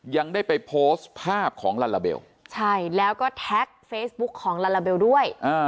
ยังได้ไปโพสต์ภาพของลาลาเบลใช่แล้วก็แท็กเฟซบุ๊คของลาลาเบลด้วย